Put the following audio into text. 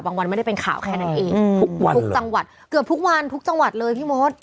วันไม่ได้เป็นข่าวแค่นั้นเองทุกวันทุกจังหวัดเกือบทุกวันทุกจังหวัดเลยพี่มด